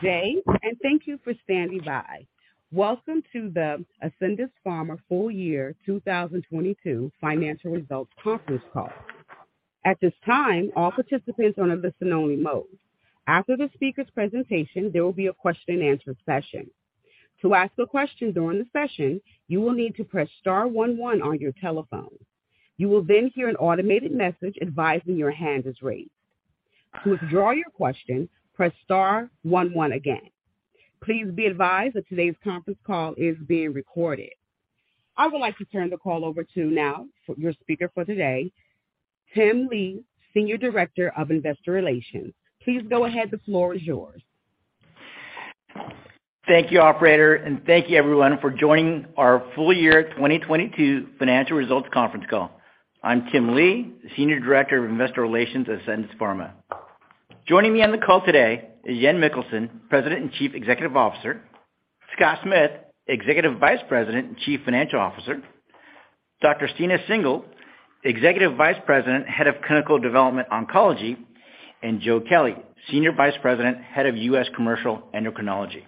Good day. Thank you for standing by. Welcome to the Ascendis Pharma Full Year 2022 Financial Results Conference Call. At this time, all participants are on a listen-only mode. After the speaker's presentation, there will be a question-and-answer session. To ask a question during the session, you will need to press star one-one on your telephone. You will hear an automated message advising your hand is raised. To withdraw your question, press star one-one again. Please be advised that today's conference call is being recorded. I would like to turn the call over to now your speaker for today, Tim Lee, Senior Director of Investor Relations. Please go ahead. The floor is yours. Thank you, operator, and thank you everyone for joining our Full Year 2022 Financial Results Conference Call. I'm Tim Lee, Senior Director of Investor Relations at Ascendis Pharma. Joining me on the call today is Jan Mikkelsen, President and Chief Executive Officer. Scott Smith, Executive Vice President and Chief Financial Officer. Dr. Stina Singel, Executive Vice President, Head of Clinical Development, Oncology. Joe Kelly, Senior Vice President, Head of U.S. Commercial Endocrinology.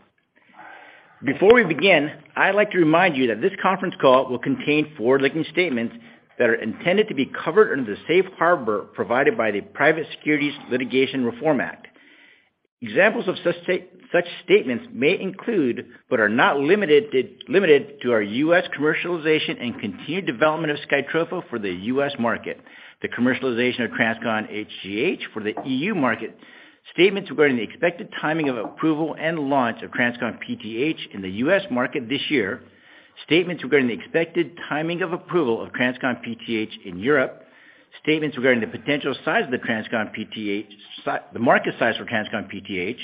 Before we begin, I'd like to remind you that this conference call will contain forward-looking statements that are intended to be covered under the Safe Harbor provided by the Private Securities Litigation Reform Act. Examples of such statements may include, but are not limited to our U.S. commercialization and continued development of SKYTROFA for the U.S. market, the commercialization of TransCon hGH for the EU market. Statements regarding the expected timing of approval and launch of TransCon PTH in the U.S. market this year. Statements regarding the expected timing of approval of TransCon PTH in Europe. Statements regarding the potential size of the TransCon PTH the market size for TransCon PTH.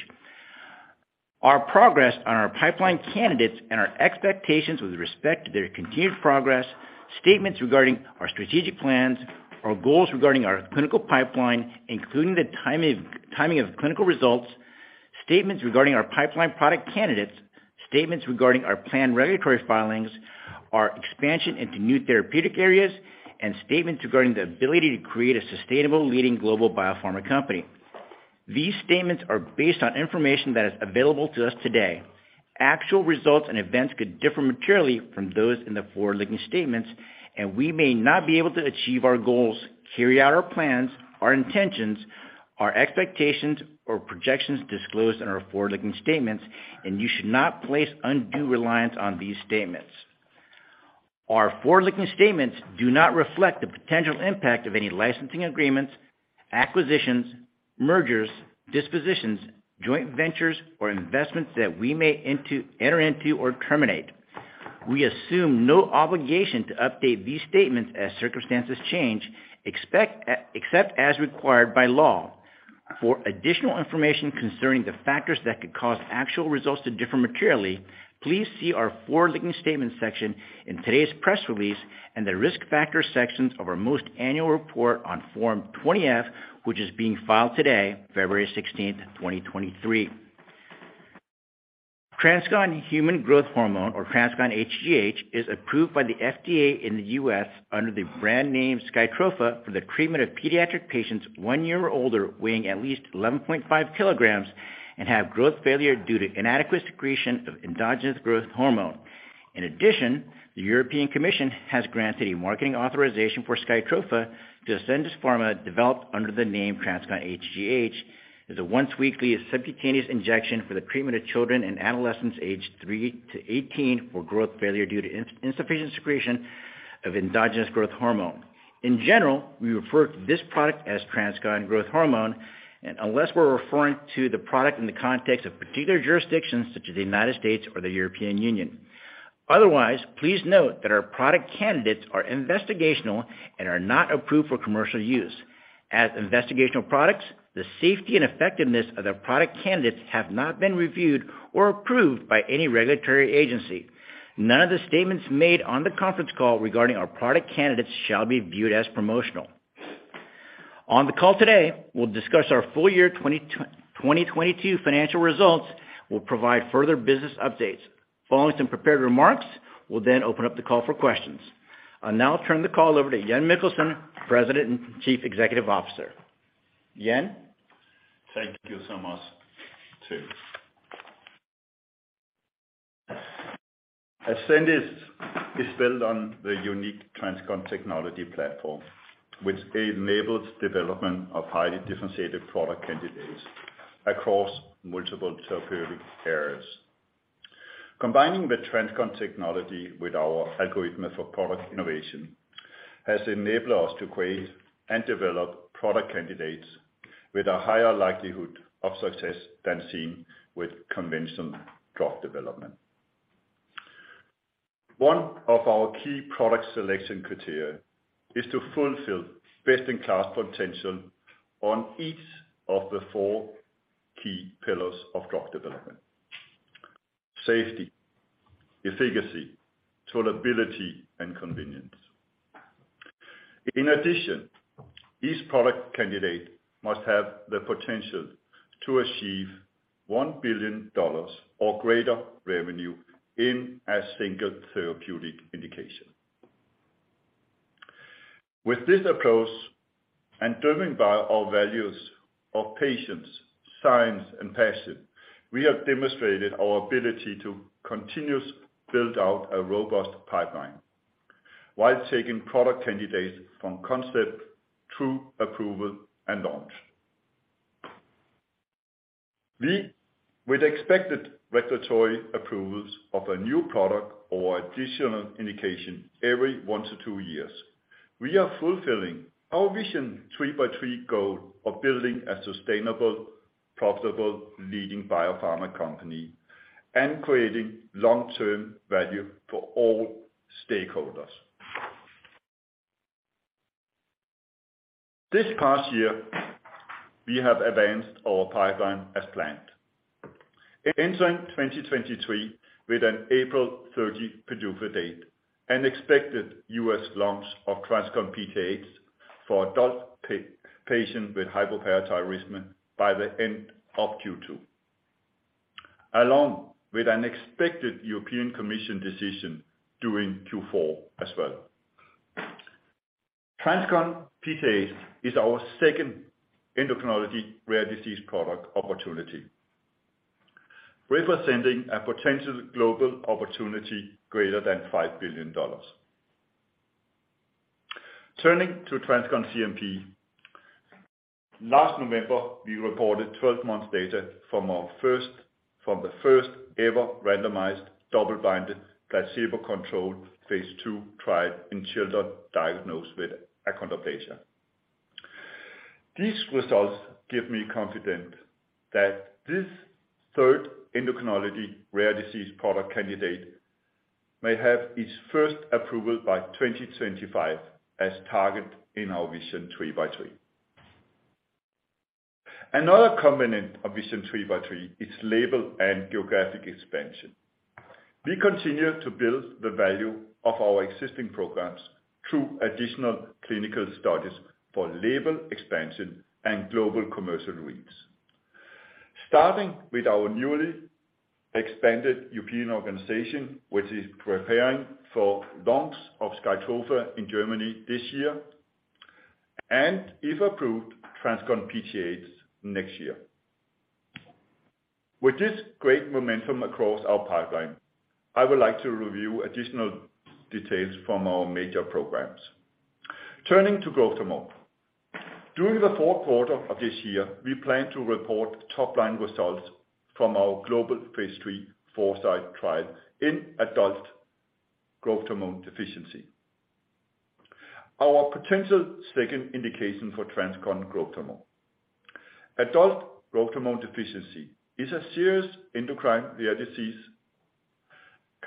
Our progress on our pipeline candidates and our expectations with respect to their continued progress. Statements regarding our strategic plans, our goals regarding our clinical pipeline, including the timing of clinical results. Statements regarding our pipeline product candidates. Statements regarding our planned regulatory filings, our expansion into new therapeutic areas, and statements regarding the ability to create a sustainable leading global biopharma company. These statements are based on information that is available to us today. Actual results and events could differ materially from those in the forward-looking statements, and we may not be able to achieve our goals, carry out our plans, our intentions, our expectations or projections disclosed in our forward-looking statements. You should not place undue reliance on these statements. Our forward-looking statements do not reflect the potential impact of any licensing agreements, acquisitions, mergers, dispositions, joint ventures or investments that we may enter into or terminate. We assume no obligation to update these statements as circumstances change, except as required by law. For additional information concerning the factors that could cause actual results to differ materially, please see our forward-looking statement section in today's press release and the Risk Factor sections of our most annual report on Form 20-F, which is being filed today, February 16th, 2023. TransCon human growth hormone or TransCon hGH is approved by the FDA in the U.S. under the brand name SKYTROFA for the treatment of pediatric patients one year or older, weighing at least 11.5 kg and have growth failure due to inadequate secretion of endogenous growth hormone. In addition, the European Commission has granted a marketing authorization for SKYTROFA to Ascendis Pharma, developed under the name TransCon hGH. Is a once-weekly subcutaneous injection for the treatment of children and adolescents aged 3-18 for growth failure due to insufficient secretion of endogenous growth hormone. In general, we refer to this product as TransCon growth hormone unless we're referring to the product in the context of particular jurisdictions such as the United States or the European Union. Otherwise, please note that our product candidates are investigational and are not approved for commercial use. As investigational products, the safety and effectiveness of their product candidates have not been reviewed or approved by any regulatory agency. None of the statements made on the conference call regarding our product candidates shall be viewed as promotional. On the call today, we'll discuss our full year 2022 financial results. We'll provide further business updates. Following some prepared remarks, we'll then open up the call for questions. I'll now turn the call over to Jan Mikkelsen, President and Chief Executive Officer. Jan. Thank you so much, Tim. Ascendis is built on the unique TransCon technology platform, which enables development of highly differentiated product candidates across multiple therapeutic areas. Combining the TransCon technology with our algorithm for product innovation has enabled us to create and develop product candidates with a higher likelihood of success than seen with conventional drug development. One of our key product selection criteria is to fulfill best in class potential on each of the four key pillars of drug development. Safety, efficacy, tolerability, and convenience. In addition, each product candidate must have the potential to achieve $1 billion or greater revenue in a single therapeutic indication. With this approach and driven by our values of patience, science, and passion, we have demonstrated our ability to continuously build out a robust pipeline while taking product candidates from concept through approval and launch. With expected regulatory approvals of a new product or additional indication every 1-2 years, we are fulfilling our Vision 3x3 goal of building a sustainable, profitable, leading biopharma company and creating long-term value for all stakeholders. This past year, we have advanced our pipeline as planned. Entering 2023 with an April 30 PDUFA date, an expected U.S. launch of TransCon PTH for adult patient with hypoparathyroidism by the end of Q2, along with an expected European Commission decision during Q4 as well. TransCon PTH is our second endocrinology rare disease product opportunity, representing a potential global opportunity greater than $5 billion. Turning to TransCon CNP. Last November, we reported 12 months data from the first-ever randomized double-blinded placebo-controlled phase II trial in children diagnosed with achondroplasia. These results give me confidence that this third endocrinology rare disease product candidate may have its first approval by 2025 as targeted in our Vision 3x3. Another component of Vision 3x3 is label and geographic expansion. We continue to build the value of our existing programs through additional clinical studies for label expansion and global commercial reach. Starting with our newly expanded European organization, which is preparing for launch of SKYTROFA in Germany this year, and if approved, TransCon PTH next year. With this great momentum across our pipeline, I would like to review additional details from our major programs. Turning to growth hormone. During the fourth quarter of this year, we plan to report top-line results from our global phase III foresiGHt trial in adult growth hormone deficiency, our potential second indication for TransCon Growth Hormone. Adult growth hormone deficiency is a serious endocrine rare disease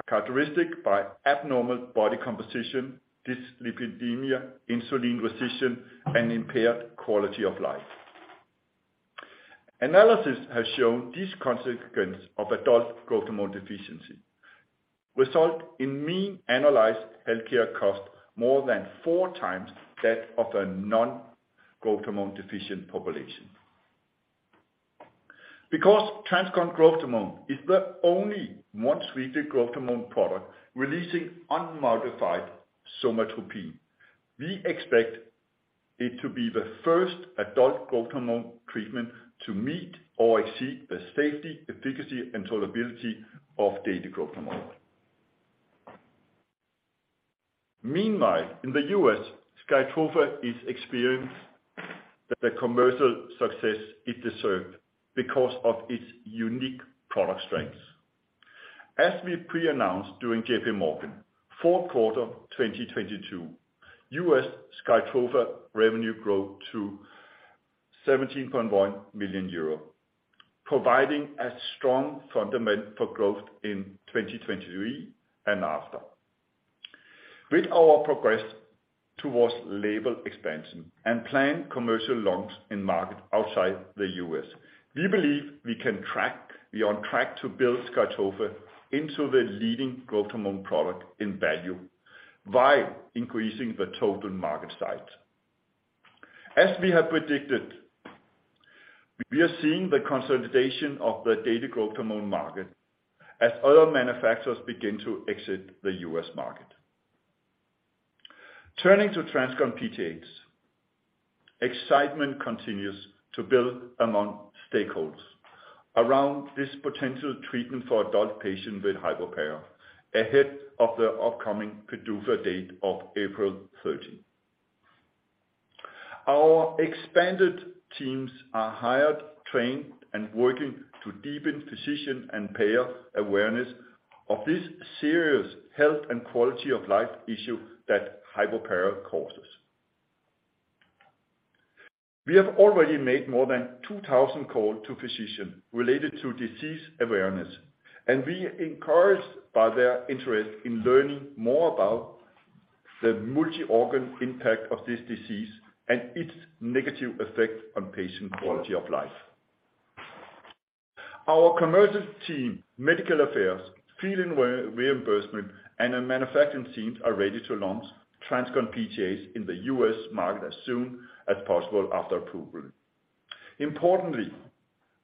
characteristic by abnormal body composition, dyslipidemia, insulin resistance, and impaired quality of life. Analysis has shown these consequences of adult growth hormone deficiency result in mean analyzed healthcare costs more than 4x that of a non-growth hormone deficient population. TransCon Growth Hormone is the only once-weekly growth hormone product releasing unmodified somatropin, we expect it to be the first adult growth hormone treatment to meet or exceed the safety, efficacy, and tolerability of daily growth hormone. Meanwhile, in the U.S., SKYTROFA is experiencing the commercial success it deserved because of its unique product strengths. As we pre-announced during JPMorgan, fourth quarter 2022, U.S. SKYTROFA revenue grew to 17.1 million euro, providing a strong fundament for growth in 2023 and after. With our progress towards label expansion and planned commercial launch in markets outside the U.S., we believe we are on track to build SKYTROFA into the leading growth hormone product in value by increasing the total market size. As we have predicted, we are seeing the consolidation of the daily growth hormone market as other manufacturers begin to exit the U.S. market. Turning to TransCon PTH, excitement continues to build among stakeholders around this potential treatment for adult patients with hypoparathyroidism ahead of the upcoming PDUFA date of April 13. Our expanded teams are hired, trained, and working to deepen physician and payer awareness of this serious health and quality-of-life issue that hypoparathyroidism causes. We have already made more than 2,000 calls to physicians related to disease awareness, and we are encouraged by their interest in learning more about the multi-organ impact of this disease and its negative effect on patients' quality of life. Our commercial team, medical affairs, field reimbursement, and our manufacturing teams are ready to launch TransCon PTH in the U.S. market as soon as possible after approval. Importantly,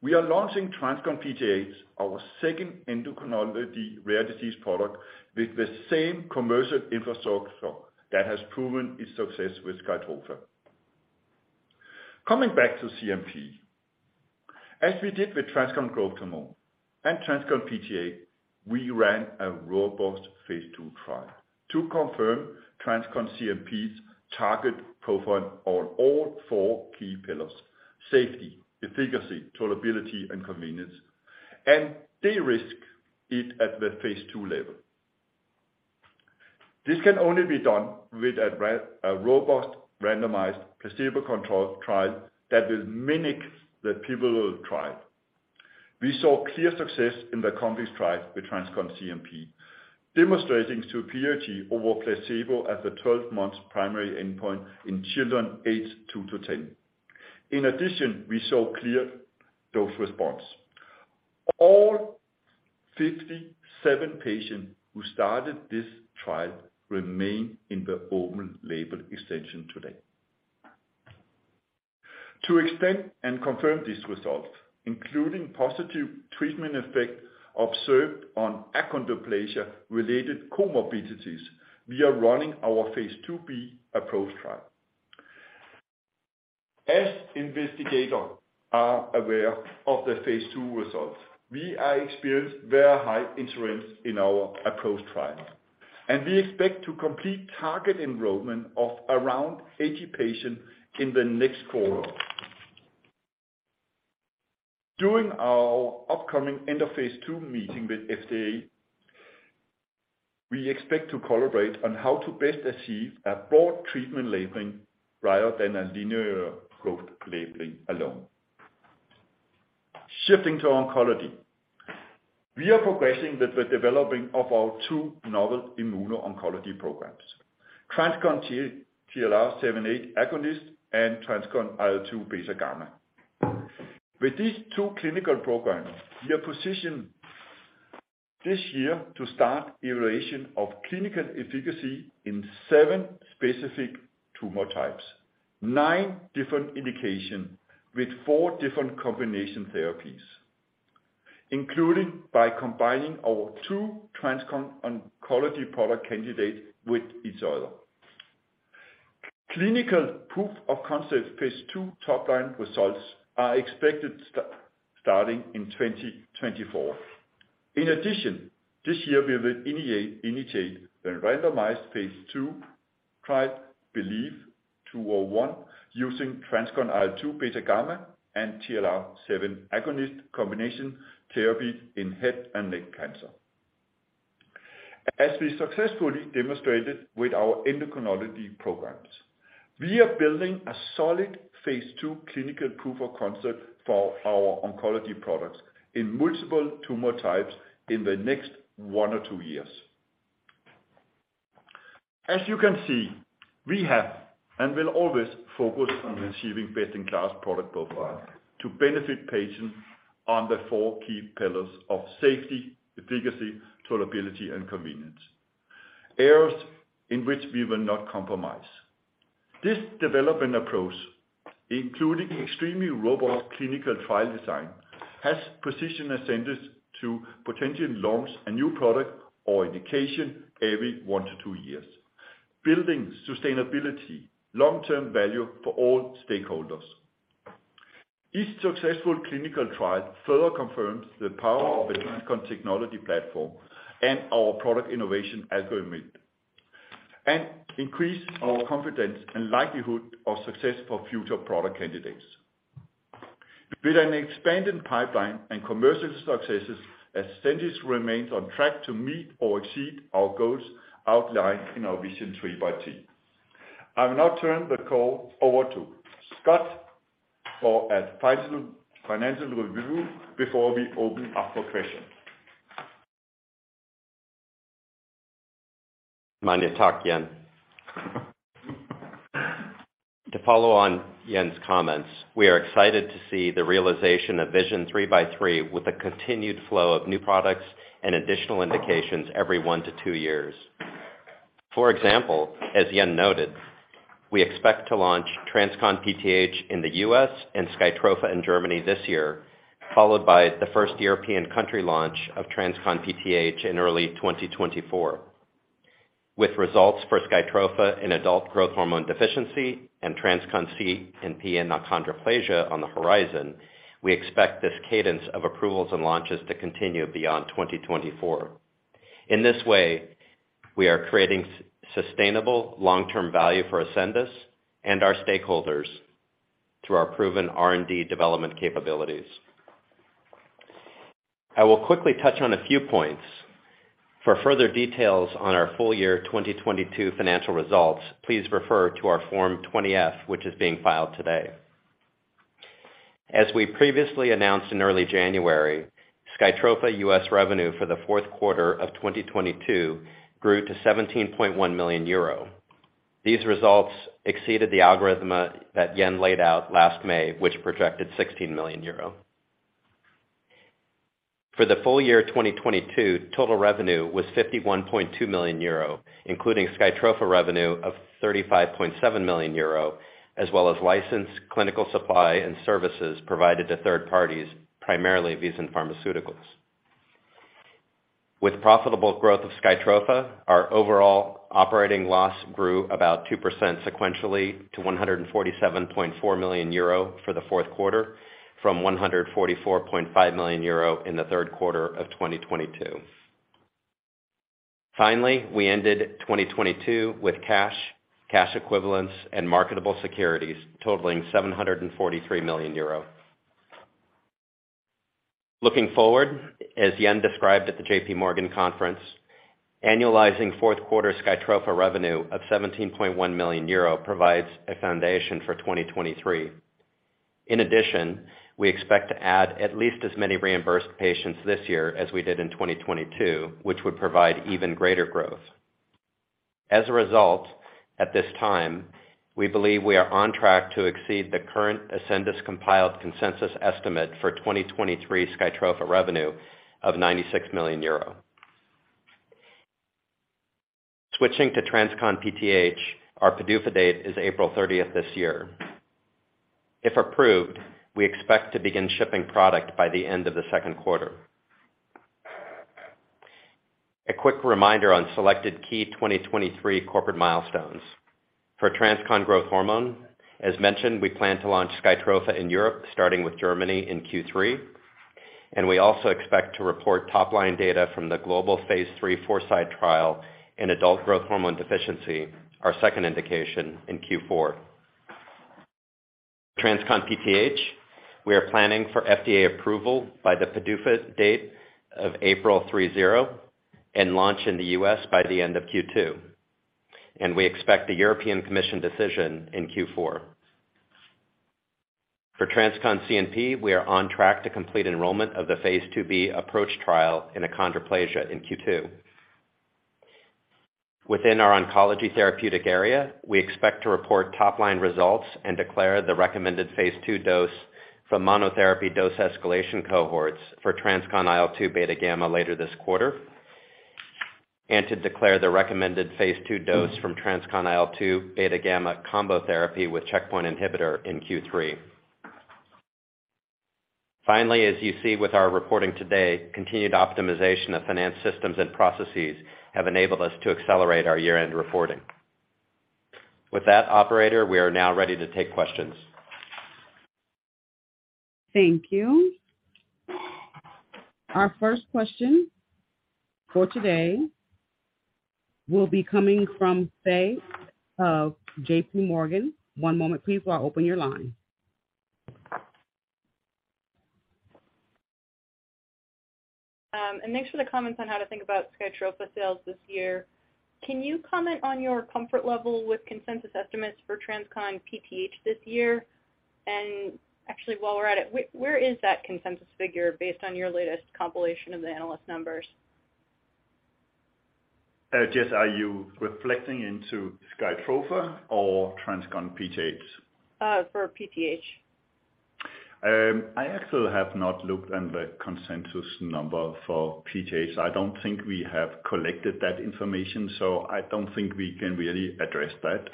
we are launching TransCon PTH, our second endocrinology rare disease product, with the same commercial infrastructure that has proven its success with SKYTROFA. Coming back to CNP. As we did with TransCon Growth Hormone and TransCon PTH, we ran a robust phase II trial to confirm TransCon CNP's target profile on all four key pillars: safety, efficacy, tolerability, and convenience, and de-risk it at the phase II level. This can only be done with a robust, randomized, placebo-controlled trial that will mimic the pivotal trial. We saw clear success in the COMET trial with TransCon CNP, demonstrating superiority over placebo at the 12 months primary endpoint in children aged 2-10. In addition, we saw clear dose response. All 57 patients who started this trial remain in the open-label extension today. To extend and confirm this result, including positive treatment effect observed on achondroplasia-related comorbidities, we are running our phase IIb ApproaCH trial. As investigators are aware of the phase II results, we are experienced very high insurance in our ApproaCH trial, and we expect to complete target enrollment of around 80 patients in the next quarter. During our upcoming end of phase II meeting with FDA, we expect to collaborate on how to best achieve a broad treatment labeling rather than a linear growth labeling alone. Shifting to oncology. We are progressing with the developing of our two novel immuno-oncology programs, TransCon TLR7/8 Agonist and TransCon IL-2 β/γ. With these two clinical programs, we are positioned this year to start evaluation of clinical efficacy in seven specific tumor types, nine different indications with four different combination therapies, including by combining our two TransCon oncology product candidates with each other. Clinical proof of concept phase II top-line results are expected starting in 2024. In addition, this year we will initiate the randomized phase II trial, BelieveIT-201, using TransCon IL-2 β/γ and TLR7 Agonist combination therapy in head and neck cancer. As we successfully demonstrated with our endocrinology programs, we are building a solid phase II clinical proof of concept for our oncology products in multiple tumor types in the next one or two years. You can see, we have and will always focus on achieving best-in-class product profiles to benefit patients on the four key pillars of safety, efficacy, tolerability, and convenience, areas in which we will not compromise. This development approach, including extremely robust clinical trial design, has positioned Ascendis to potentially launch a new product or indication every 1-2 years, building sustainability, long-term value for all stakeholders. Each successful clinical trial further confirms the power of the TransCon technology platform and our product innovation algorithm, and increases our confidence and likelihood of success for future product candidates. With an expanded pipeline and commercial successes, Ascendis remains on track to meet or exceed our goals outlined in our Vision 3x3. I will now turn the call over to Scott for a financial review before we open up for questions. Many thanks, Jan. To follow on Jans comments, we are excited to see the realization of Vision 3x3 with a continued flow of new products and additional indications every 1-2 years. For example, as Jan noted, we expect to launch TransCon PTH in the U.S. and SKYTROFA in Germany this year, followed by the first European country launch of TransCon PTH in early 2024. With results for SKYTROFA in adult growth hormone deficiency and TransCon CNP and achondroplasia on the horizon, we expect this cadence of approvals and launches to continue beyond 2024. In this way, we are creating sustainable long-term value for Ascendis and our stakeholders through our proven R&D development capabilities. I will quickly touch on a few points. For further details on our full year 2022 financial results, please refer to our Form 20-F, which is being filed today. As we previously announced in early January, SKYTROFA U.S. revenue for the fourth quarter of 2022 grew to 17.1 million euro. These results exceeded the algorithm that Jan laid out last May, which projected 60 million euro. For the full year 2022, total revenue was 51.2 million euro, including SKYTROFA revenue of 35.7 million euro, as well as licensed clinical supply and services provided to third parties, primarily VISEN Pharmaceuticals. With profitable growth of SKYTROFA, our overall operating loss grew about 2% sequentially to 147.4 million euro for the fourth quarter from 144.5 million euro in the third quarter of 2022. We ended 2022 with cash equivalents, and marketable securities totaling 743 million euro. As Jan described at the JPMorgan conference, annualizing fourth quarter SKYTROFA revenue of 17.1 million euro provides a foundation for 2023. We expect to add at least as many reimbursed patients this year as we did in 2022, which would provide even greater growth. At this time, we believe we are on track to exceed the current Ascendis compiled consensus estimate for 2023 SKYTROFA revenue of 96 million euro. TransCon PTH, our PDUFA date is April 30th this year. If approved, we expect to begin shipping product by the end of the second quarter. A quick reminder on selected key 2023 corporate milestones. For TransCon growth hormone, as mentioned, we plan to launch SKYTROFA in Europe, starting with Germany in Q3. We also expect to report top-line data from the global phase III foresiGHt trial in adult growth hormone deficiency, our second indication in Q4. TransCon PTH, we are planning for FDA approval by the PDUFA date of April 30 and launch in the U.S. by the end of Q2. We expect the European Commission decision in Q4. For TransCon CNP, we are on track to complete enrollment of the phase IIb ApproaCH trial in achondroplasia in Q2. Within our oncology therapeutic area, we expect to report top-line results and declare the recommended phase II dose from monotherapy dose escalation cohorts for TransCon IL-2 β/γ later this quarter, and to declare the recommended phase II dose from TransCon IL-2 β/γ combo therapy with checkpoint inhibitor in Q3. Finally, as you see with our reporting today, continued optimization of finance systems and processes have enabled us to accelerate our year-end reporting. With that, operator, we are now ready to take questions. Thank you. Our first question for today will be coming from Jessica Fye of JPMorgan. One moment please while I open your line. Thanks for the comments on how to think about SKYTROFA sales this year. Can you comment on your comfort level with consensus estimates for TransCon PTH this year? Actually, while we're at it, where is that consensus figure based on your latest compilation of the analyst numbers? Jess, are you reflecting into SKYTROFA or TransCon PTH? For PTH. I actually have not looked on the consensus number for PTH. I don't think we have collected that information, so I don't think we can really address that.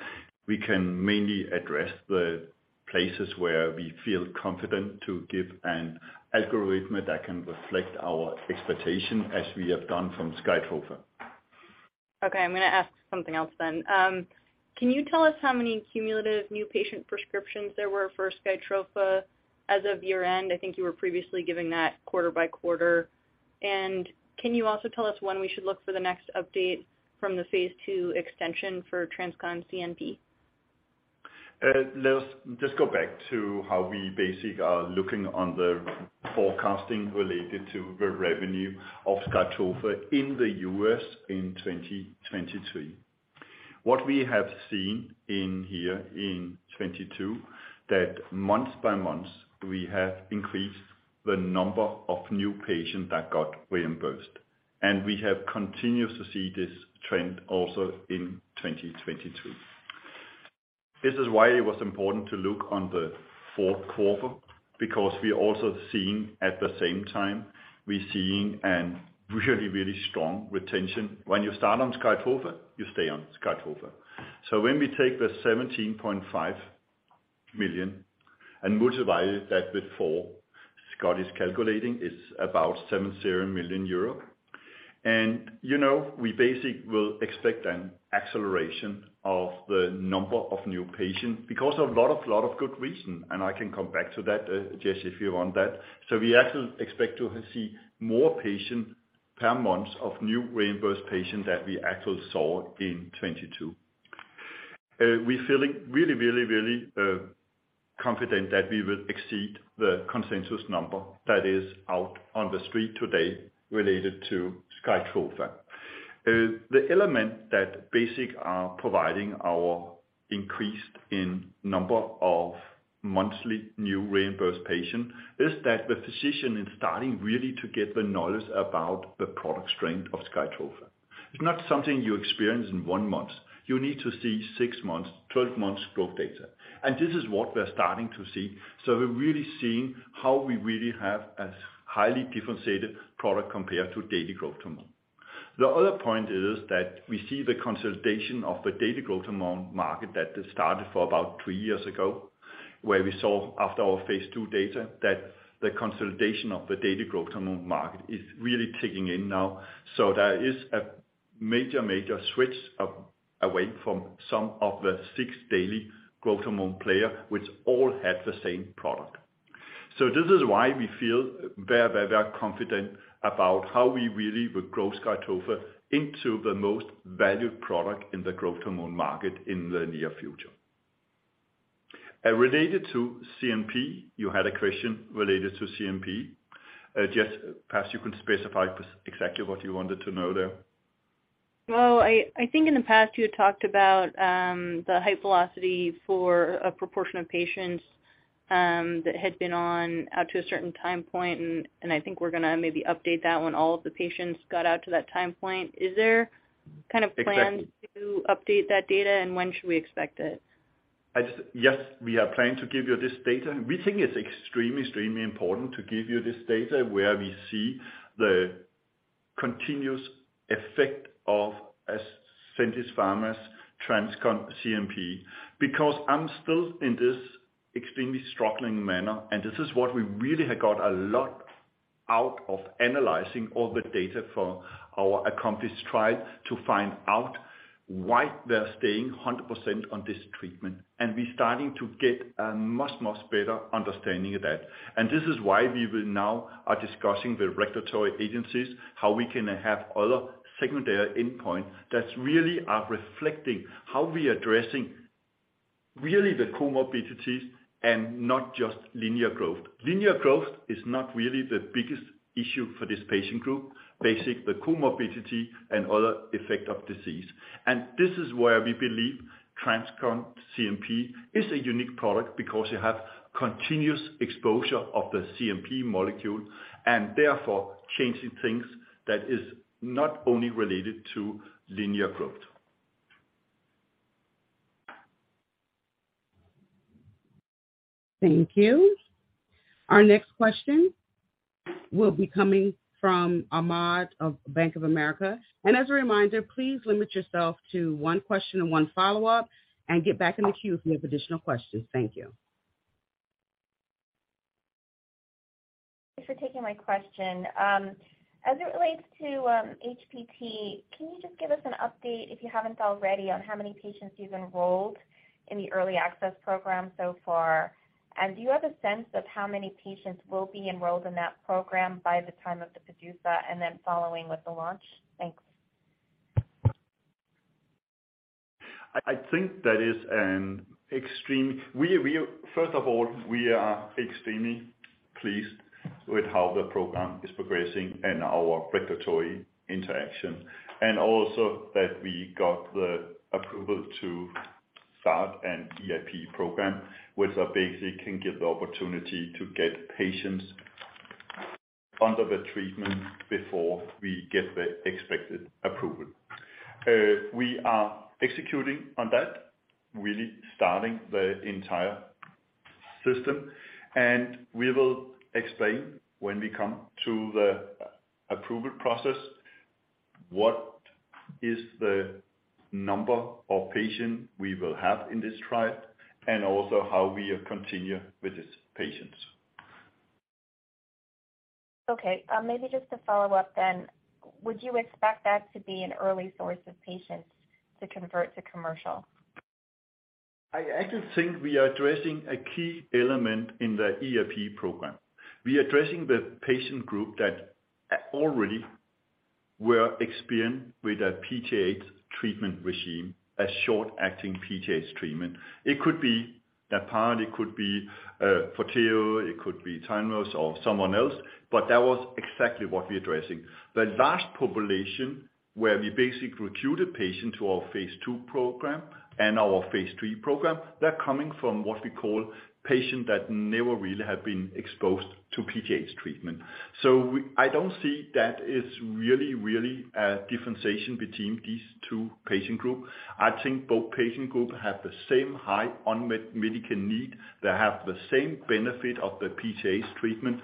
We can mainly address the places where we feel confident to give an algorithm that can reflect our expectation as we have done from SKYTROFA. Okay. I'm gonna ask something else then. Can you tell us how many cumulative new patient prescriptions there were for SKYTROFA as of year-end? I think you were previously giving that quarter by quarter. Can you also tell us when we should look for the next update from the phase II extension for TransCon CNP? Let us just go back to how we basic are looking on the forecasting related to the revenue of SKYTROFA in the U.S. in 2023. We have seen in here in 2022, that month by month we have increased the number of new patients that got reimbursed, and we have continued to see this trend also in 2022. This is why it was important to look on the fourth quarter, because we're also seeing, at the same time, we're seeing an really, really strong retention. When you start on SKYTROFA, you stay on SKYTROFA. When we take the 17.5 million and multiply that with four, Scott is calculating, it's about 70 million euro. You know, we basic will expect an acceleration of the number of new patients because of lot of good reason, and I can come back to that, Jess, if you want that. We actually expect to see more patients per month of new reimbursed patients than we actually saw in 2022. We feeling really, really confident that we will exceed the consensus number that is out on the street today related to SKYTROFA. The element that basic are providing our increase in number of monthly new reimbursed patient is that the physician is starting really to get the knowledge about the product strength of SKYTROFA. It's not something you experience in one month. You need to see six months, 12 months growth data, and this is what we are starting to see. We're really seeing how we really have a highly differentiated product compared to daily growth hormone. The other point is that we see the consolidation of the daily growth hormone market that started for about three years ago, where we saw after our phase II data that the consolidation of the daily growth hormone market is really kicking in now. There is a major switch away from some of the six daily growth hormone player, which all have the same product. This is why we feel very confident about how we really will grow SKYTROFA into the most valued product in the growth hormone market in the near future. Related to CNP, you had a question related to CNP. Just perhaps you can specify exactly what you wanted to know there. Well, I think in the past you had talked about the high velocity for a proportion of patients that had been on out to a certain time point, and I think we're gonna maybe update that when all of the patients got out to that time point. Is there- Exactly. plan to update that data, when should we expect it? Yes, we are planning to give you this data. We think it's extremely important to give you this data where we see the continuous effect of Ascendis Pharma's TransCon CNP, because I'm still in this extremely struggling manner, and this is what we really have got a lot out of analyzing all the data for our ACcomplisH trial to find out why they're staying 100% on this treatment. We're starting to get a much, much better understanding of that. This is why we will now are discussing with regulatory agencies, how we can have other secondary endpoint that really are reflecting how we are addressing really the comorbidities and not just linear growth. Linear growth is not really the biggest issue for this patient group. Basic, the comorbidity and other effect of disease. This is where we believe TransCon CNP is a unique product because you have continuous exposure of the CNP molecule and therefore changing things that is not only related to linear growth. Thank you. Our next question will be coming from Tazeen Ahmad of Bank of America. As a reminder, please limit yourself to one question and one follow-up and get back in the queue if you have additional questions. Thank you. Thanks for taking my question. As it relates to PTH, can you just give us an update, if you haven't already, on how many patients you've enrolled in the early access program so far? Do you have a sense of how many patients will be enrolled in that program by the time of the PDUFA and then following with the launch? Thanks. I think that is an extreme. First of all, we are extremely pleased with how the program is progressing and our regulatory interaction, and also that we got the approval to start an EIP program, which basically can give the opportunity to get patients under the treatment before we get the expected approval. We are executing on that, really starting the entire system, and we will explain when we come to the approval process, what is the number of patient we will have in this trial and also how we continue with these patients. Maybe just to follow up then. Would you expect that to be an early source of patients to convert to commercial? I just think we are addressing a key element in the EIP program. We are addressing the patient group that already were experienced with a PGH treatment regime, a short-acting PGH treatment. It could be Natpara, it could be Forteo, it could be Tymlos or someone else, but that was exactly what we're addressing. The last population where we basically recruited patients to our phase 2 program and our phase 3 program, they're coming from what we call patients that never really have been exposed to PGH treatment. I don't see that is really a differentiation between these two patient group. I think both patient group have the same high unmet medical need. They have the same benefit of the PGH treatment.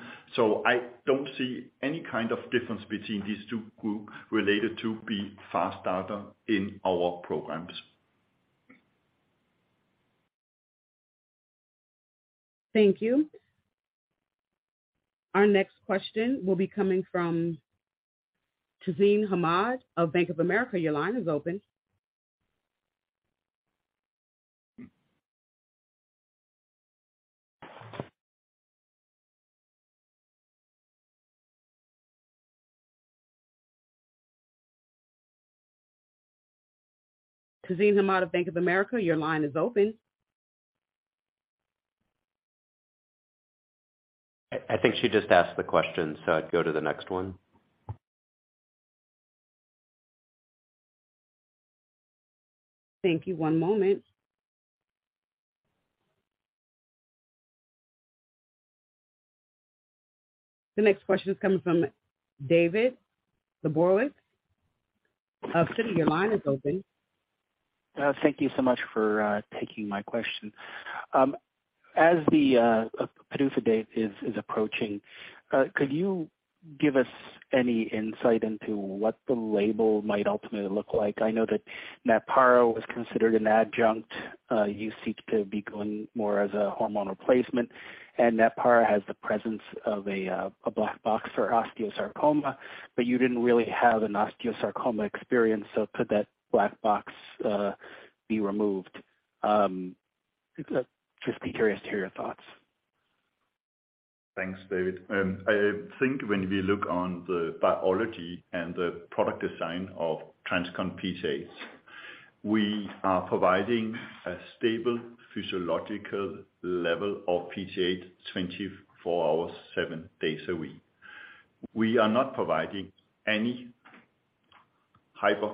I don't see any kind of difference between these two group related to be fast starter in our programs. Thank you. Our next question will be coming from Tazeen Ahmad of Bank of America. Your line is open. Tazeen Ahmad of Bank of America, your line is open. I think she just asked the question, so I'd go to the next one. Thank you. One moment. The next question is coming from David Lebowitz of Citi. Your line is open. Thank you so much for taking my question. As the PDUFA date is approaching, could you give us any insight into what the label might ultimately look like? I know that Natpara was considered an adjunct. You seek to be going more as a hormone replacement, and Natpara has the presence of a black box for osteosarcoma, but you didn't really have an osteosarcoma experience. Could that black box be removed? Just be curious to hear your thoughts. Thanks, David. I think when we look on the biology and the product design of TransCon PTH, we are providing a stable physiological level of PTH 24 hours, seven days a week. We are not providing any hyper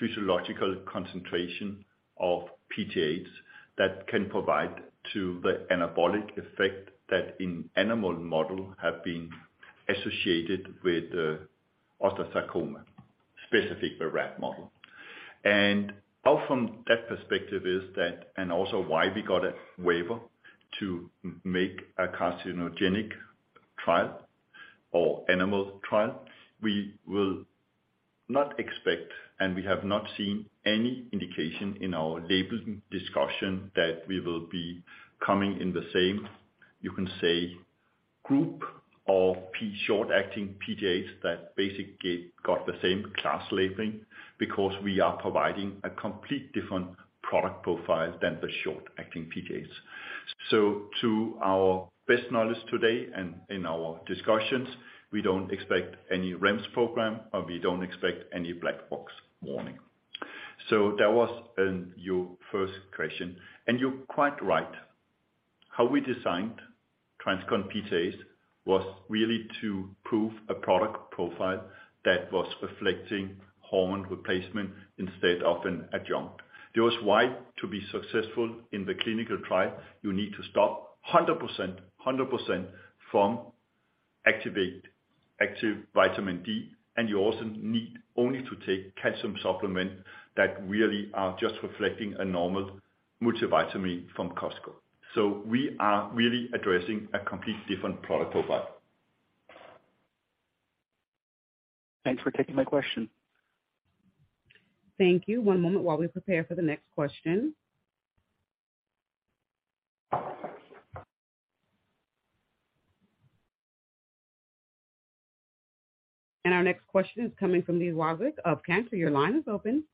physiological concentration of PTH that can provide to the anabolic effect that in animal model have been associated with osteosarcoma, specific the rat model. How from that perspective is that, and also why we got a waiver to make a carcinogenic trial or animal trial, we will not expect, and we have not seen any indication in our labeling discussion that we will be coming in the same, you can say, group of short-acting PTHs that basically got the same class labeling, because we are providing a complete different product profile than the short-acting PTHs. To our best knowledge today and in our discussions, we don't expect any REMS program, and we don't expect any black box warning. That was your first question, and you're quite right. How we designed TransCon PTH was really to prove a product profile that was reflecting hormone replacement instead of an adjunct, thus why to be successful in the clinical trial, you need to stop 100% from active vitamin D. You also need only to take calcium supplement that really are just reflecting a normal multivitamin from Costco. We are really addressing a complete different product profile. Thanks for taking my question. Thank you. One moment while we prepare for the next question. Our next question is coming from Li Watsek of Cantor. Your line is open.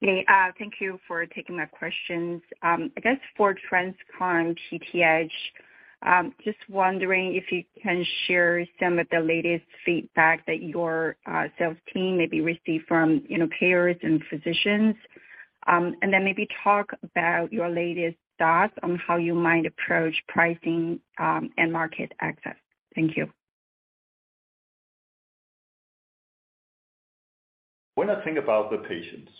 Hey, thank you for taking my questions. I guess for TransCon PTH, just wondering if you can share some of the latest feedback that your sales team maybe received from, you know, payers and physicians. Then maybe talk about your latest thoughts on how you might approach pricing, and market access. Thank you. When I think about the patients,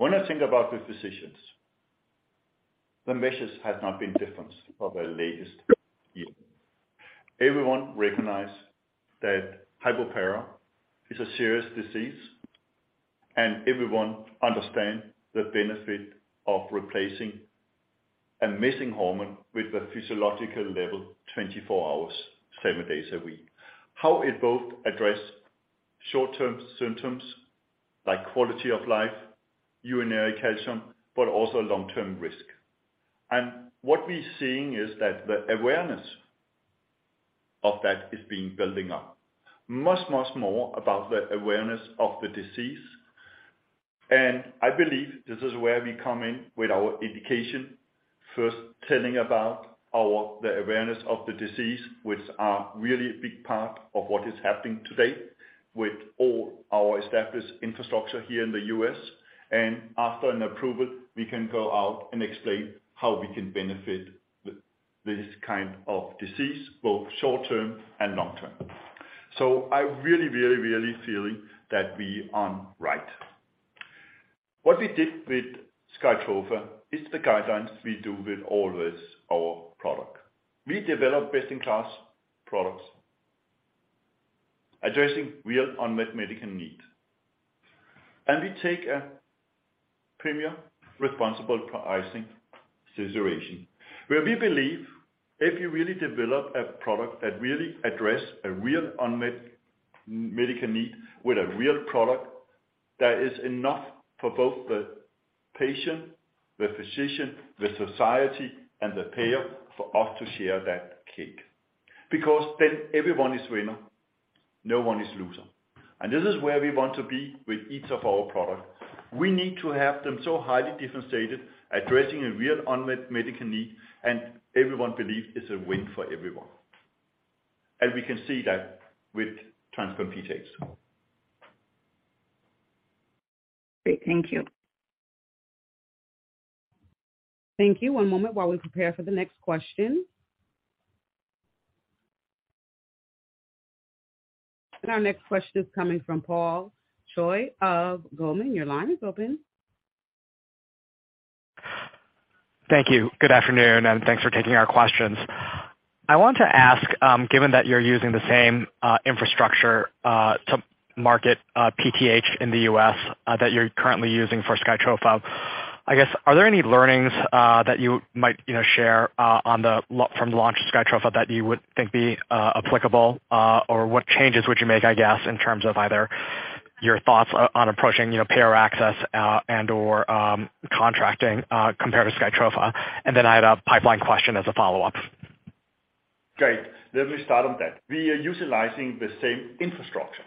when I think about the physicians, the message has not been different for the latest year. Everyone recognize that hypoparathyroidism is a serious disease, everyone understand the benefit of replacing a missing hormone with a physiological level 24 hours, seven days a week. How it both address short-term symptoms like quality of life, urinary calcium, but also long-term risk. What we're seeing is that the awareness of that is being building up much, much more about the awareness of the disease. I believe this is where we come in with our education first telling about the awareness of the disease, which are really a big part of what is happening today with all our established infrastructure here in the U.S. After an approval, we can go out and explain how we can benefit this kind of disease, both short-term and long-term. I really feeling that we are right. What we did with SKYTROFA is the guidelines we do with always our product. We develop best-in-class products addressing real unmet medical needs. We take a premier responsible pricing situation where we believe if you really develop a product that really address a real unmet medical need with a real product, that is enough for both the patient, the physician, the society, and the payer for us to share that cake. Then everyone is winner, no one is loser. This is where we want to be with each of our products. We need to have them so highly differentiated, addressing a real unmet medical need, and everyone believe it's a win for everyone. We can see that with TransCon PTH. Great. Thank you. Thank you. One moment while we prepare for the next question. Our next question is coming from Paul Choi of Goldman. Your line is open. Thank you. Good afternoon, and thanks for taking our questions. I want to ask, given that you're using the same infrastructure to market PTH in the U.S. that you're currently using for SKYTROFA, I guess, are there any learnings that you might, you know, share from the launch of SKYTROFA that you would think be applicable? Or what changes would you make, I guess, in terms of either your thoughts on approaching, you know, payer access, and/or contracting compared to SKYTROFA? Then I had a pipeline question as a follow-up. Great. Let me start on that. We are utilizing the same infrastructure.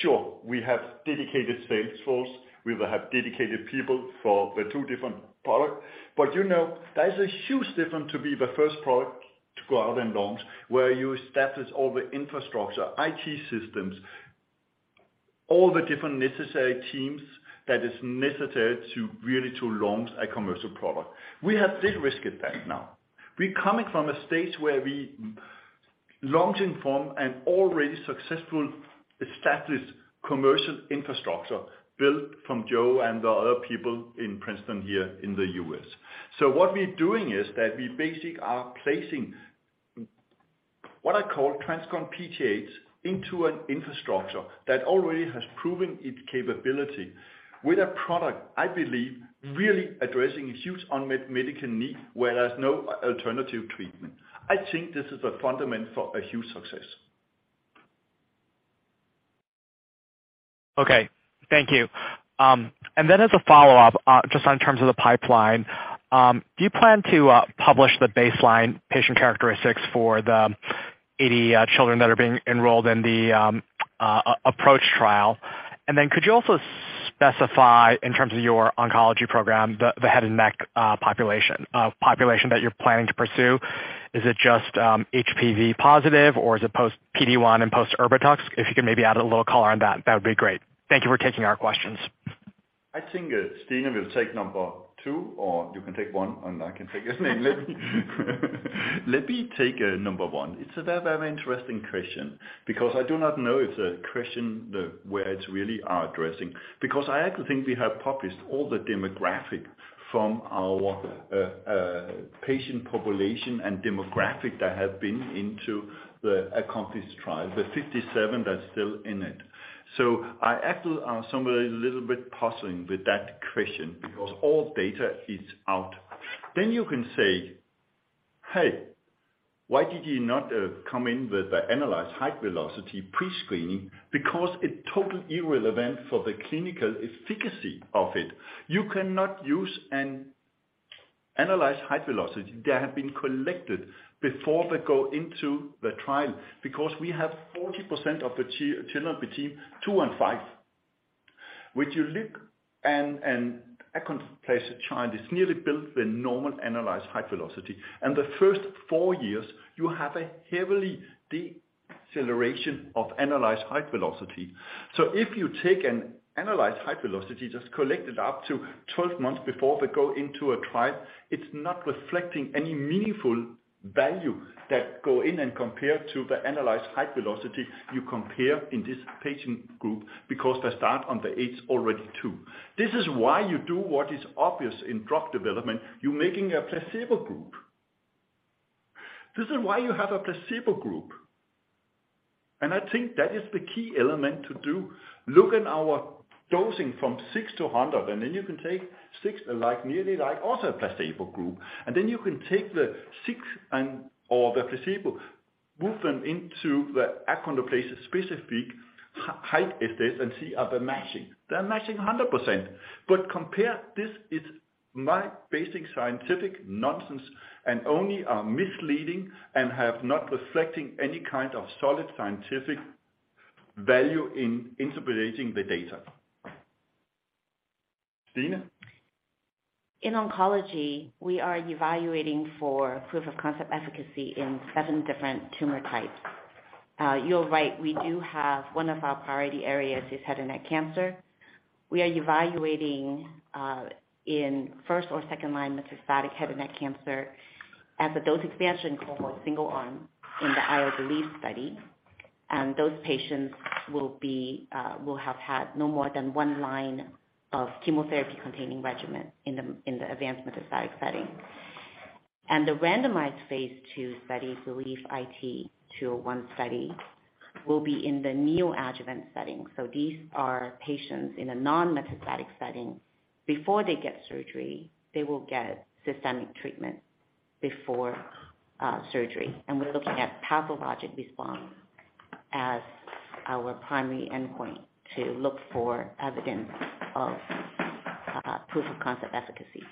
Sure, we have dedicated sales force. We will have dedicated people for the two different product. You know, there's a huge difference to be the first product to go out and launch, where you establish all the infrastructure, IT systems, all the different necessary teams that is necessary to really to launch a commercial product. We have de-risked that now. We're coming from a stage where we launch in form an already successful established commercial infrastructure built from Joe and the other people in Princeton here in the U.S. What we're doing is that we basically are placing what I call TransCon PTH into an infrastructure that already has proven its capability with a product, I believe, really addressing a huge unmet medical need, where there's no alternative treatment. I think this is a fundament for a huge success. Okay. Thank you. As a follow-up, just on terms of the pipeline, do you plan to publish the baseline patient characteristics for the 80 children that are being enrolled in the ApproaCH trial? Could you also specify, in terms of your oncology program, the head and neck population that you're planning to pursue? Is it just HPV-positive or is it post PD-1 and post Erbitux? If you could maybe add a little color on that would be great. Thank you for taking our questions. I think, Stina will take number two, or you can take one, and I can take the other one. Let me take, number 1. It's a very, very interesting question because I do not know if the question the, where it's really are addressing, because I actually think we have published all the demographic from our patient population and demographic that have been into the ACcomplisH trial, the 57 that's still in it. I actually are somewhere a little bit puzzling with that question because all data is out. You can say, hey, why did you not, come in with the analyzed height velocity pre-screening. Because it's totally irrelevant for the clinical efficacy of it. You cannot use an analyzed height velocity that have been collected before they go into the trial because we have `40% of the children between two and five. When you look and achondroplasia child is nearly built the normal analyzed height velocity, and the first four years you have a heavily deceleration of analyzed height velocity. If you take an analyzed height velocity just collected up to 12 months before they go into a trial, it's not reflecting any meaningful value that go in and compare to the analyzed height velocity you compare in this patient group because they start on the age already two. This is why you do what is obvious in drug development. You're making a placebo group. This is why you have a placebo group. I think that is the key element to do. Look at our dosing from 6-100, then you can take six like, nearly like also a placebo group. Then you can take the six and/or the placebo, move them into the achondroplasia specific height assays and see are they matching. They're matching 100%. Compare this is my basic scientific nonsense and only are misleading and have not reflecting any kind of solid scientific value in interpolating the data. Stina? In oncology, we are evaluating for proof of concept efficacy in seven different tumor types. You're right, we do have one of our priority areas is head and neck cancer. We are evaluating in first or second line metastatic head and neck cancer as a dose expansion cohort single arm in the IL-Believe study. Those patients will be will have had no more than one line of chemotherapy-containing regimen in the advanced metastatic setting. The randomized phase II study, BelieveIT-201 study, will be in the neoadjuvant setting. These are patients in a non-metastatic setting. Before they get surgery, they will get systemic treatment before surgery. We're looking at pathologic response as our primary endpoint to look for evidence of proof of concept efficacy.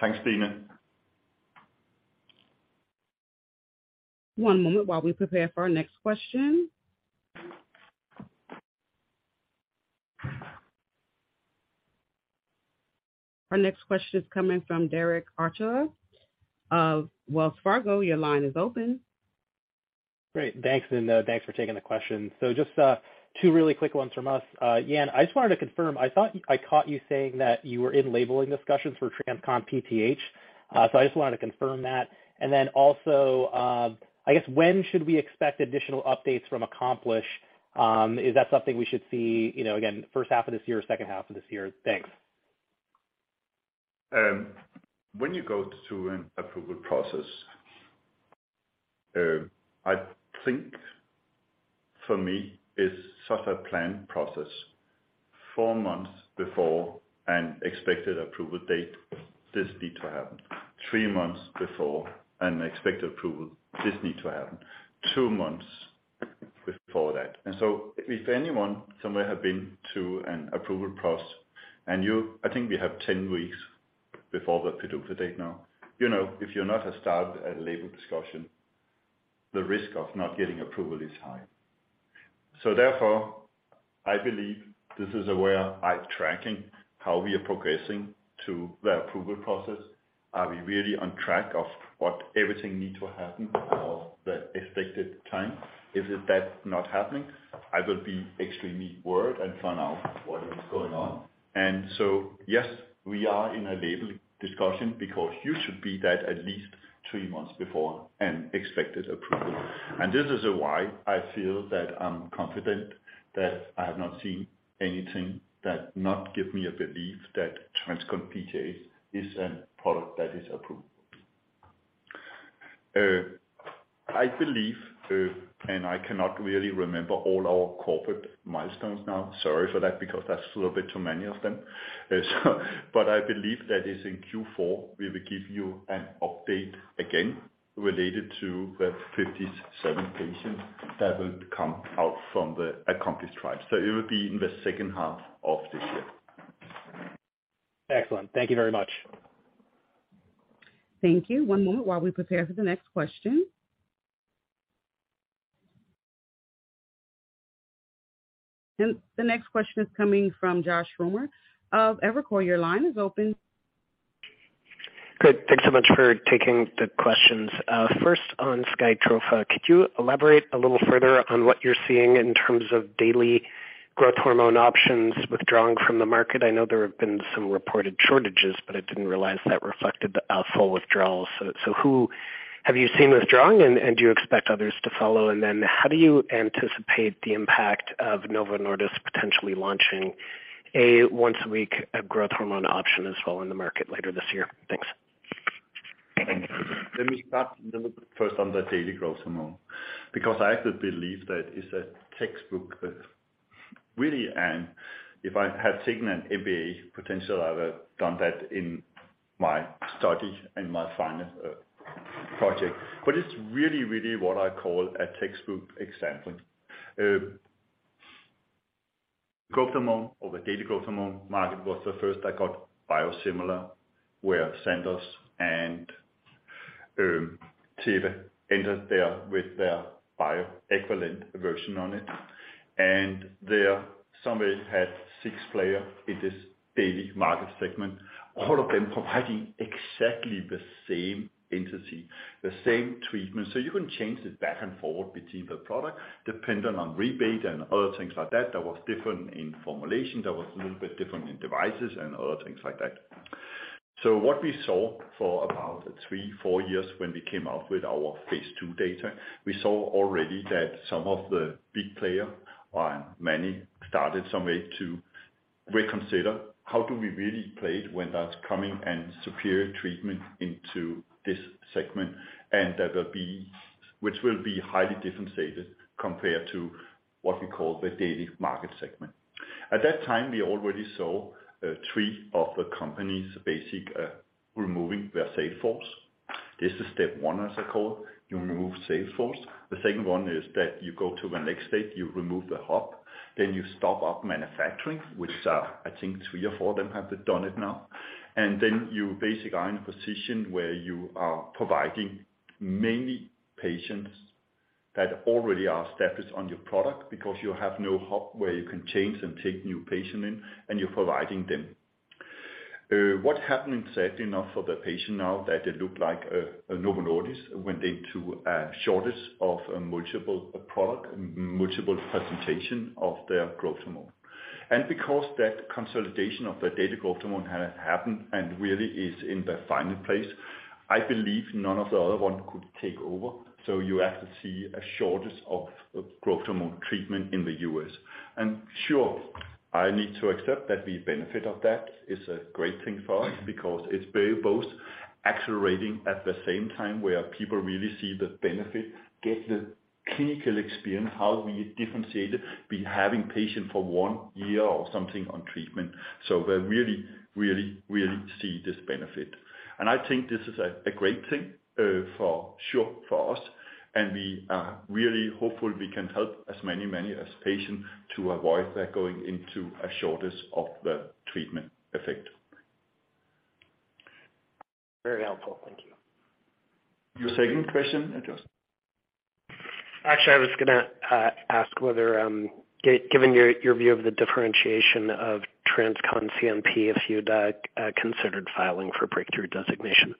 Thanks, Stina. One moment while we prepare for our next question. Our next question is coming from Derek Archila of Wells Fargo. Your line is open. Great. Thanks, and thanks for taking the question. Just two really quick ones from us. Jan, I just wanted to confirm, I thought I caught you saying that you were in labeling discussions for TransCon PTH. So I just wanted to confirm that. Also, I guess when should we expect additional updates from ACcomplisH? Is that something we should see, you know, again, first half of this year, second half of this year? Thanks. When you go through an approval process, I think for me it's such a planned process. Four months before an expected approval date, this need to happen. Three months before an expected approval, this need to happen. Two months before that. If anyone somewhere have been to an approval process, I think we have 10 weeks before the PDUFA date now. You know, if you're not started a label discussion, the risk of not getting approval is high. Therefore, I believe this is where I'm tracking how we are progressing to the approval process. Are we really on track of what everything needs to happen for the expected time? If that's not happening, I will be extremely worried and find out what is going on. Yes, we are in a label discussion because you should be that at least three months before an expected approval. This is why I feel that I'm confident that I have not seen anything that not give me a belief that TransCon PTH is a product that is approved. I believe, I cannot really remember all our corporate milestones now. Sorry for that, because that's a little bit too many of them. I believe that is in Q4, we will give you an update again related to the 57 patients that will come out from the ACcomplisH trial. It will be in the second half of this year. Excellent. Thank you very much. Thank you. One moment while we prepare for the next question. The next question is coming from Josh Schimmer of Evercore. Your line is open. Good. Thanks so much for taking the questions. First on SKYTROFA. Could you elaborate a little further on what you're seeing in terms of daily growth hormone options withdrawing from the market? I know there have been some reported shortages, but I didn't realize that reflected the full withdrawal. Who have you seen withdrawing and do you expect others to follow? How do you anticipate the impact of Novo Nordisk potentially launching a once a week growth hormone option as well in the market later this year? Thanks. Thank you. Let me start first on the daily growth hormone, because I actually believe that it's a textbook really, and if I had taken an MBA, potentially I would have done that in my study and my final project. It's really what I call a textbook example. Growth hormone or the daily growth hormone market was the first that got biosimilar, where Sandoz and Teva entered there with their bioequivalent version on it. There somebody had six players in this daily market segment, all of them providing exactly the same entity, the same treatment. You can change this back and forward between the product dependent on rebate and other things like that. That was different in formulation. That was a little bit different in devices and other things like that. What we saw for about three, four years when we came out with our phase II data, we saw already that some of the big player and many started some way to reconsider how do we really play it when that's coming and superior treatment into this segment, which will be highly differentiated compared to what we call the daily market segment. At that time, we already saw three of the companies basic removing their sales force. This is step one, as I call, you remove sales force. The second one is that you go to the next state, you remove the hub, then you stop up manufacturing, which, I think three or four of them have done it now. You basically are in a position where you are providing mainly patients that already are established on your product because you have no hub where you can change and take new patient in and you're providing them. What happened, sadly enough, for the patient now that it looked like Novo Nordisk went into a shortage of multiple product, multiple presentation of their growth hormone. Because that consolidation of the data growth hormone had happened and really is in the final place, I believe none of the other one could take over. You have to see a shortage of growth hormone treatment in the U.S. Sure, I need to accept that the benefit of that is a great thing for us because it's very both accelerating at the same time where people really see the benefit, get the clinical experience, how we differentiate it, be having patients for one year or something on treatment. We really see this benefit. I think this is a great thing for sure for us, and we are really hopeful we can help as many patients to avoid that going into a shortage of the treatment effect. Very helpful. Thank you. Your second question, Josh. Actually, I was gonna ask whether given your view of the differentiation of TransCon CNP, if you'd considered filing for breakthrough designation.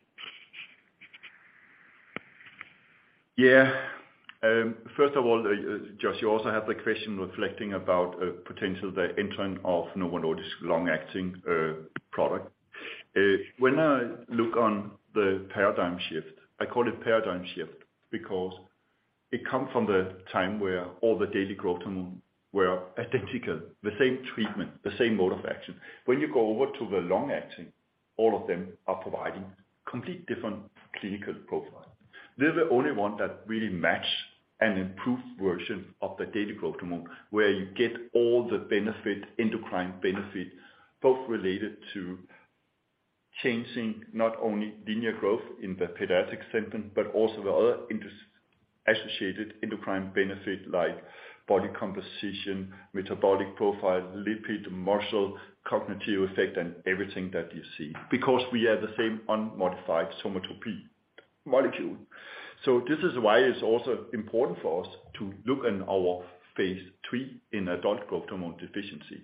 Yeah. First of all, Josh, you also have the question reflecting about potential the intent of Novo Nordisk long-acting product. Look on the paradigm shift. I call it paradigm shift because it come from the time where all the daily growth hormone were identical, the same treatment, the same mode of action. You go over to the long-acting, all of them are providing complete different clinical profile. They're the only one that really match an improved version of the daily growth hormone, where you get all the benefit, endocrine benefit, both related to changing not only linear growth in the pediatric symptom, but also the other associated endocrine benefit like body composition, metabolic profile, lipid, muscle, cognitive effect, and everything that you see, because we have the same unmodified somatropin molecule. This is why it's also important for us to look in our phase III in adult growth hormone deficiency.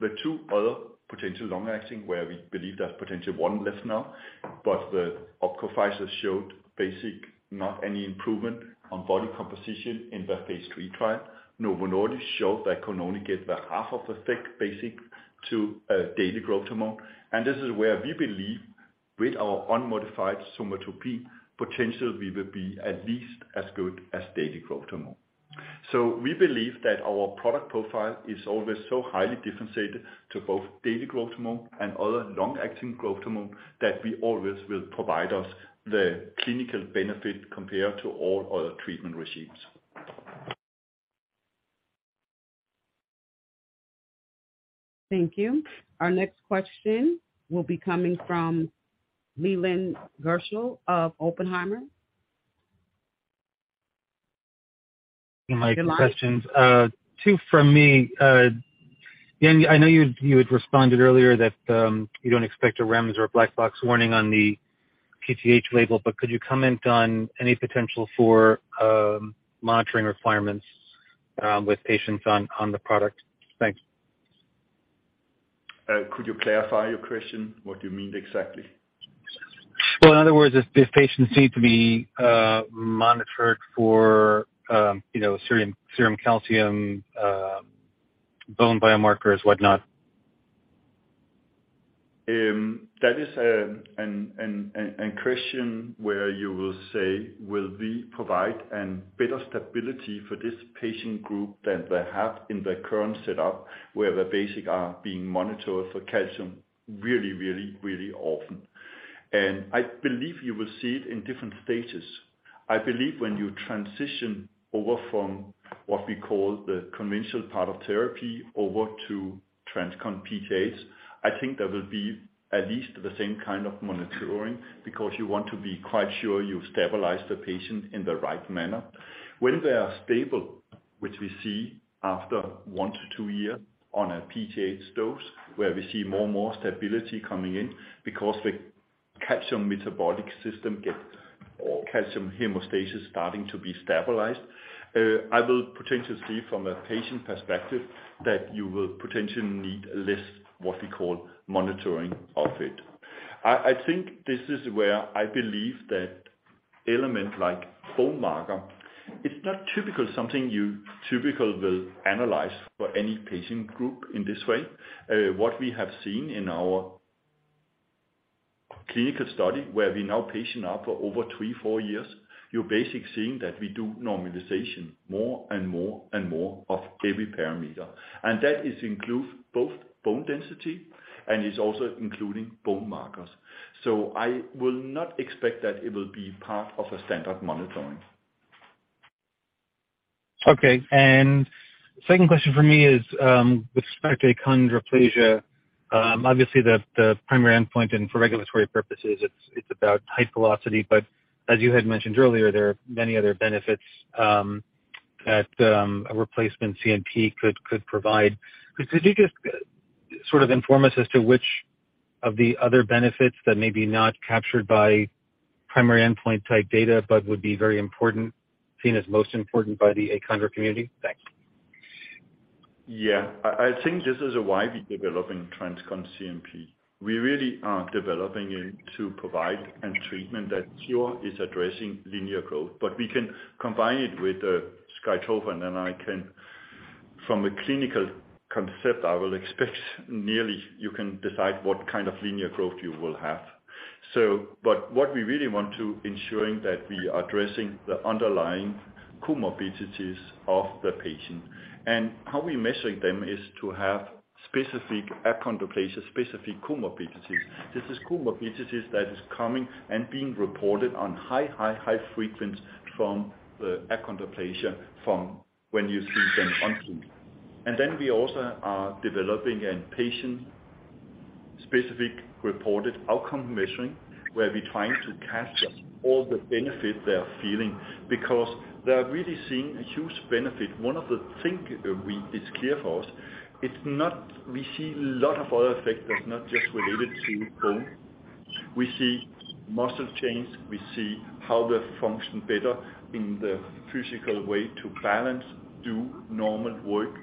The two other potential long-acting where we believe there's potential one less now, but the OPKO Health showed basic, not any improvement on body composition in the phase III trial. Novo Nordisk showed that can only get the half of effect basic to daily growth hormone. This is where we believe with our unmodified somatropin, potentially we will be at least as good as daily growth hormone. We believe that our product profile is always so highly differentiated to both daily growth hormone and other long-acting growth hormone that we always will provide us the clinical benefit compared to all other treatment regimens. Thank you. Our next question will be coming from Leland Gershell of Oppenheimer. My questions. Two from me. Jan, I know you had responded earlier that you don't expect a REMS or a black box warning on the PTH label, but could you comment on any potential for monitoring requirements with patients on the product? Thanks. Could you clarify your question? What do you mean exactly? Well, in other words, if patients need to be monitored for, you know, serum calcium, bone biomarkers, whatnot. That is a question where you will say, will we provide a better stability for this patient group than they have in their current setup, where they basically are being monitored for calcium really often. I believe you will see it in different stages. I believe when you transition over from what we call the conventional part of therapy over to TransCon PTH, I think there will be at least the same kind of monitoring, because you want to be quite sure you stabilize the patient in the right manner. When they are stable, which we see after 1-2 year on a PTH dose, where we see more and more stability coming in because the calcium metabolic system gets, or calcium hemostasis starting to be stabilized, I will potentially see from a patient perspective that you will potentially need less, what we call monitoring of it. I think this is where I believe that element like bone marker, it's not typical something you typically will analyze for any patient group in this way. What we have seen in our clinical study where we now patient up for over three, four years, you're basically seeing that we do normalization more and more and more of every parameter. That is include both bone density and it's also including bone markers. I will not expect that it will be part of a standard monitoring. Okay. Second question for me is, with respect to achondroplasia, obviously the primary endpoint and for regulatory purposes, it's about height velocity. As you had mentioned earlier, there are many other benefits that a replacement CNP could provide. Could you just sort of inform us as to which of the other benefits that may be not captured by primary endpoint type data, but would be very important, seen as most important by the achondro community? Thanks. Yeah. I think this is why we're developing TransCon CNP. We really are developing it to provide a treatment that sure is addressing linear growth. We can combine it with SKYTROFA, I can from a clinical concept, I will expect nearly you can decide what kind of linear growth you will have. What we really want to ensuring that we are addressing the underlying comorbidities of the patient. How we measure them is to have specific achondroplasia, specific comorbidities. This is comorbidities that is coming and being reported on high frequent from the achondroplasia from when you see them on team. We also are developing a patient-specific reported outcome measuring, where we're trying to capture all the benefit they are feeling because they are really seeing a huge benefit. One of the thing is clear for us, we see lot of other effects that's not just related to bone. We see muscle change, we see how they function better in the physical way to balance, do normal work,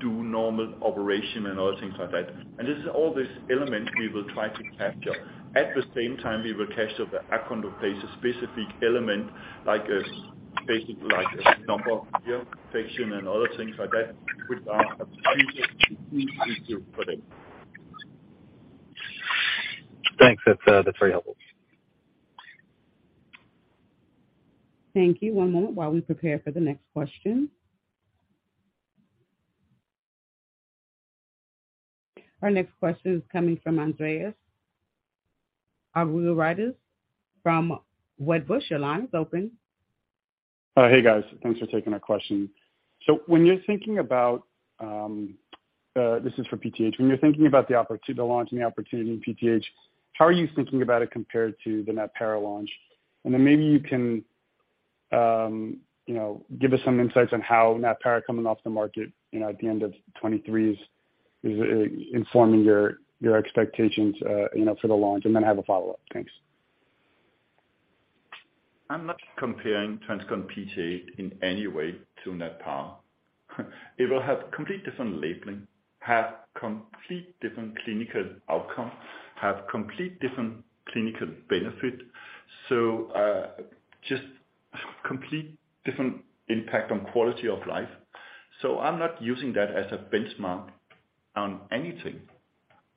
do normal operation, and other things like that. This is all this element we will try to capture. At the same time, we will capture the achondroplasia specific element like a number of injection and other things like that, which are. Thanks. That's very helpful. Thank you. One moment while we prepare for the next question. Our next question is coming from Andreas Argyrides, from Wedbush. Your line is open. Hey, guys. Thanks for taking our question. When you're thinking about this is for PTH. When you're thinking about the launching opportunity in PTH, how are you thinking about it compared to the Natpara launch? Maybe you can, you know, give us some insights on how Natpara coming off the market, you know, at the end of 2023 is informing your expectations, you know, for the launch. I have a follow-up. Thanks. I'm not comparing TransCon PTH in any way to Natpara. It will have complete different labeling, have complete different clinical outcome, have complete different clinical benefit. Just complete different impact on quality of life. I'm not using that as a benchmark on anything.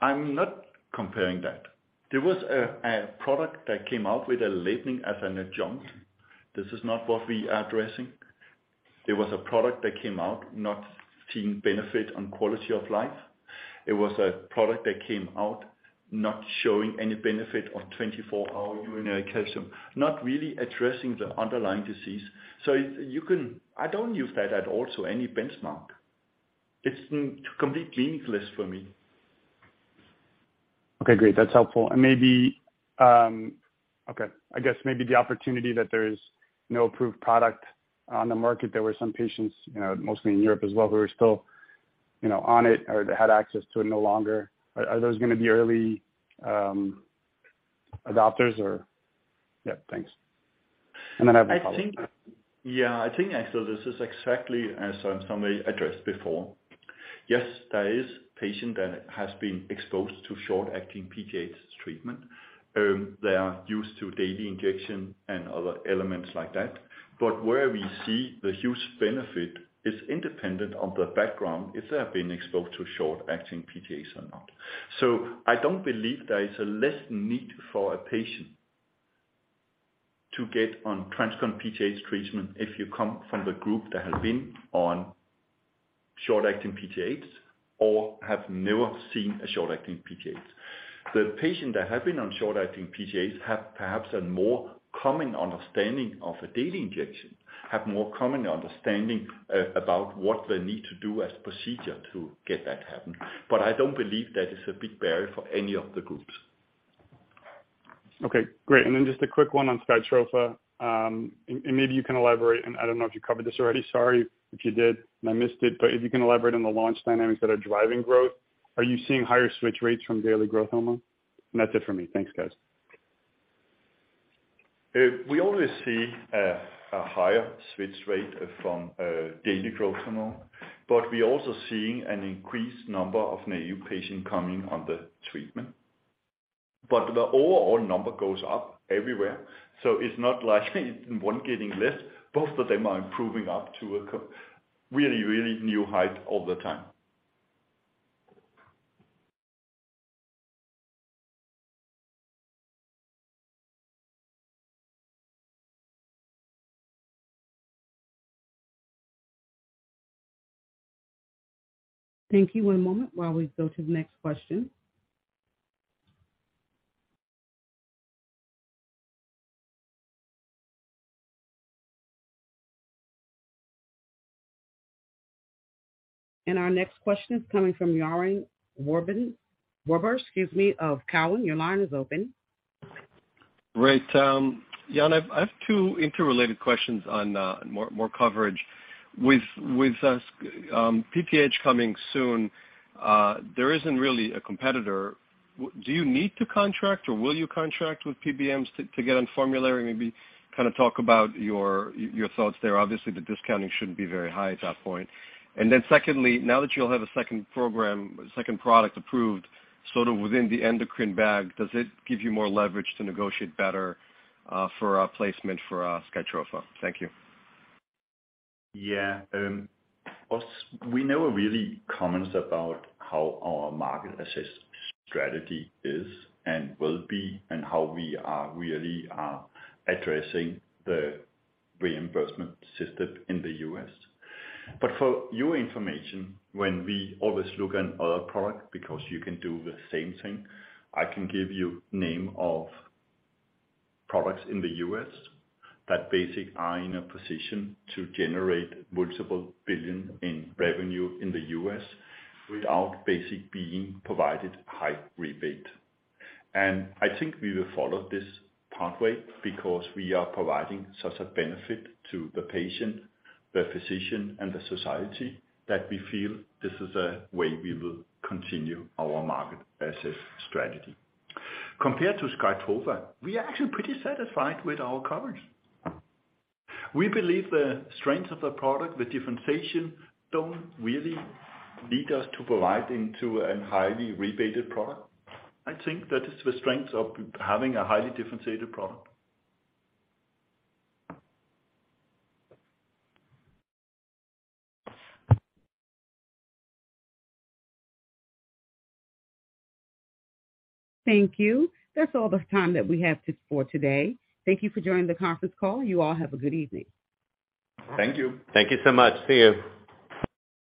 I'm not comparing that. There was a product that came out with a labeling as an adjunct. This is not what we are addressing. There was a product that came out not seeing benefit on quality of life. It was a product that came out not showing any benefit of 24-hour urinary calcium, not really addressing the underlying disease. I don't use that at all to any benchmark. It's completely meaningless for me. Okay, great. That's helpful. Maybe I guess maybe the opportunity that there is no approved product on the market. There were some patients, you know, mostly in Europe as well, who are still, you know, on it or that had access to it no longer. Are those gonna be early adopters or? Yeah, thanks. Then I have a follow-up. I think actually this is exactly as somebody addressed before. Yes, there is patient that has been exposed to short-acting PTH treatment. They are used to daily injection and other elements like that. Where we see the huge benefit is independent of the background, if they have been exposed to short-acting PTH or not. I don't believe there is a less need for a patient to get on TransCon PTH treatment if you come from the group that has been on short-acting PTH or have never seen a short-acting PTH. The patient that have been on short-acting PTH have perhaps a more common understanding of a daily injection, have more common understanding about what they need to do as procedure to get that to happen. I don't believe that is a big barrier for any of the groups. Okay, great. Just a quick one on SKYTROFA, and maybe you can elaborate, and I don't know if you covered this already. Sorry if you did and I missed it. If you can elaborate on the launch dynamics that are driving growth. Are you seeing higher switch rates from daily growth hormone? That's it for me. Thanks, guys. We always see a higher switch rate from daily growth hormone, but we're also seeing an increased number of new patient coming on the treatment. The overall number goes up everywhere, so it's not like one getting less. Both of them are improving up to a really new height all the time. Thank you. One moment while we go to the next question. Our next question is coming from Yaron Werber, excuse me, of Cowen. Your line is open. Great. Jan, I have two interrelated questions on more coverage. With PTH coming soon, there isn't really a competitor. Do you need to contract or will you contract with PBMs to get on formulary? Maybe kind of talk about your thoughts there. Obviously, the discounting shouldn't be very high at that point. Secondly, now that you'll have a second program, second product approved sort of within the endocrine bag, does it give you more leverage to negotiate better for a placement for SKYTROFA? Thank you. Yeah. Us, we never really comment about how our market access strategy is and will be, and how we are really addressing the reimbursement system in the U.S. For your information, when we always look at other product, because you can do the same thing, I can give you name of products in the U.S. that basic are in a position to generate multiple billion in revenue in the U.S. without basic being provided high rebate. I think we will follow this pathway because we are providing such a benefit to the patient, the physician, and the society that we feel this is a way we will continue our market access strategy. Compared to SKYTROFA, we are actually pretty satisfied with our coverage. We believe the strength of the product, the differentiation, don't really lead us to provide into a highly rebated product. I think that is the strength of having a highly differentiated product. Thank you. That's all the time that we have for today. Thank you for joining the conference call. You all have a good evening. Thank you. Thank you so much. See you.